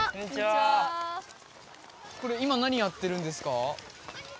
これ今何やってるんですか？